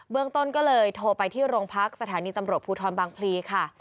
ต้นก็เลยโทรไปที่โรงพักสถานีตำรวจภูทรบางพลีค่ะ